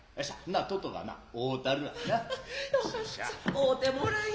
負うてもらい。